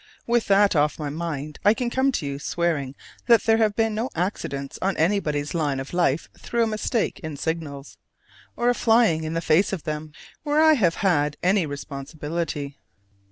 With that off my mind I can come to you swearing that there have been no accidents on anybody's line of life through a mistake in signals, or a flying in the face of them, where I have had any responsibility.